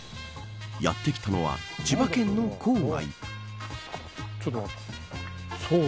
やってきたのは千葉県の郊外。